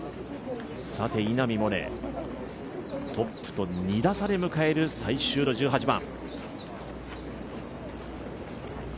稲見萌寧、トップと２打差で迎える最終の１８番。